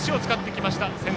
今度は足を使ってきました。